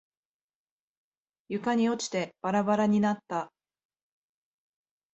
床に落ちてバラバラになった。